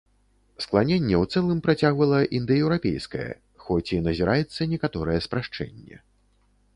Скланенне ў цэлым працягвала індаеўрапейскае, хоць і назіраецца некаторае спрашчэнне.